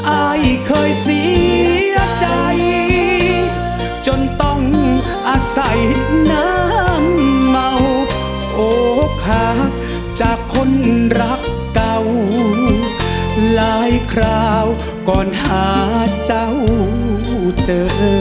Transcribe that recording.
อายเคยเสียใจจนต้องอาศัยน้ำเมาโอคาจากคนรักเก่าหลายคราวก่อนหาเจ้าเจอ